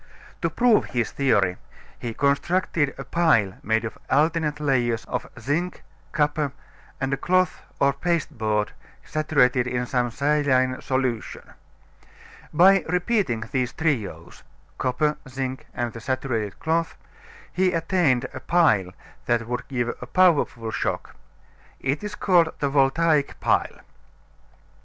To prove his theory, he constructed a pile made of alternate layers of zinc, copper, and a cloth or pasteboard saturated in some saline solution. By repeating these trios copper, zinc, and the saturated cloth he attained a pile that would give a powerful shock. It is called the Voltaic Pile.